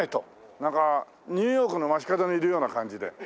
なんかニューヨークの街角にいるような感じで。